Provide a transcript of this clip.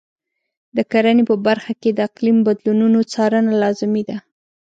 د کرنې په برخه کې د اقلیم بدلونونو څارنه لازمي ده.